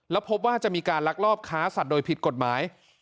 แล้วพบว่าจะมีการลักลอบค้าสัตว์โดยผิดกฎหมาย